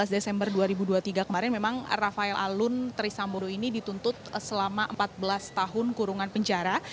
dua belas desember dua ribu dua puluh tiga kemarin memang rafael alun trisambodo ini dituntut selama empat belas tahun kurungan penjara